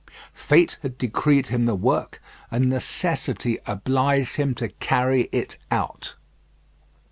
Fate had decreed him the work, and necessity obliged him to carry it out.